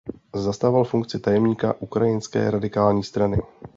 Zastával funkci tajemníka Ukrajinské radikální strany.